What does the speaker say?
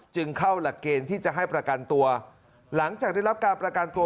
จึงเข้าหลักเกณฑ์ที่จะให้ประกันตัวหลังจากได้รับการประกันตัว